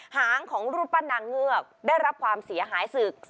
หางของรูปปั้นนางเงือกได้รับความเสียหายศึก